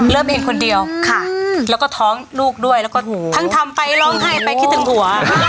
เริ่มเองคนเดียวค่ะแล้วก็ท้องลูกด้วยแล้วก็ทั้งทำไปร้องไห้ไปคิดถึงหัว